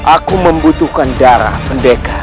aku membutuhkan darah pendekar